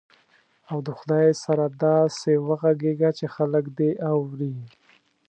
او د خدای سره داسې وغږېږه چې خلک دې اوري.